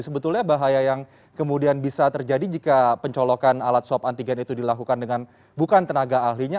sebetulnya bahaya yang kemudian bisa terjadi jika pencolokan alat swab antigen itu dilakukan dengan bukan tenaga ahlinya